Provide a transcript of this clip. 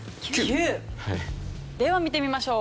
では見てみましょう。